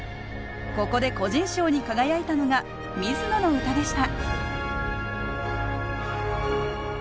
ここで個人賞に輝いたのが水野の歌でした。